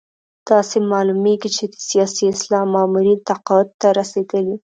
داسې معلومېږي چې د سیاسي اسلام مامورین تقاعد ته رسېدلي.